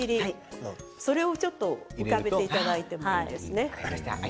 それを浮かべていただいてもいいですね。